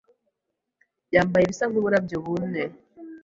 yambaye ibisa nkuburyo bumwe.